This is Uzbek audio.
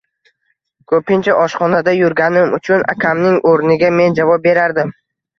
Ko`pincha oshxonada yurganim uchun, akamning o`rniga men javob berardim